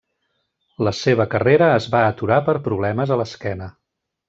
La seva carrera es va aturar per problemes a l'esquena.